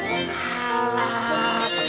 oh ya bang